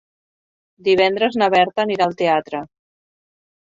Divendres na Berta anirà al teatre.